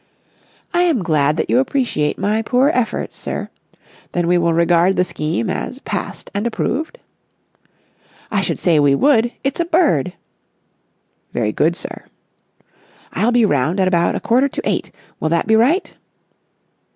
"I am glad that you appreciate my poor efforts, sir. Then we will regard the scheme as passed and approved?" "I should say we would! It's a bird!" "Very good, sir." "I'll be round at about a quarter to eight. Will that be right?"